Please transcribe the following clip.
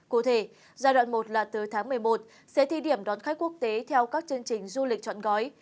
cụ thể giai đoạn một là tới tháng một mươi một sẽ thi điểm đón khách quốc tế theo các chương trình du lịch chọn gói